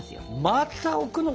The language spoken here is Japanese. また置くの？